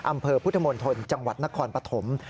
อำเภอพุทธมนตร์ธนตร์จังหวัดนครปฐม